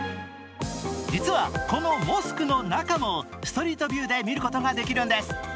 実はこのモスクの中もストリートビューで見ることができるんです。